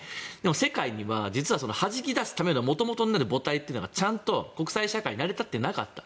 世界には実ははじき出すための元々になる母体がちゃんと国際社会で成り立っていなかった。